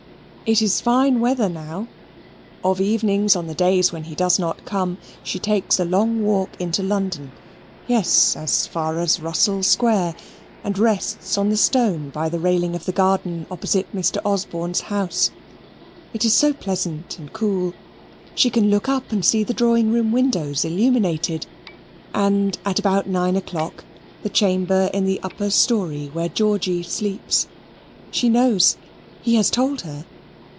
It is fine weather now. Of evenings on the days when he does not come, she takes a long walk into London yes, as far as Russell Square, and rests on the stone by the railing of the garden opposite Mr. Osborne's house. It is so pleasant and cool. She can look up and see the drawing room windows illuminated, and, at about nine o'clock, the chamber in the upper story where Georgy sleeps. She knows he has told her.